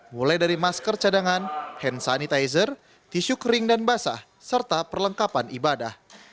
mulai dari masker cadangan hand sanitizer tisu kering dan basah serta perlengkapan ibadah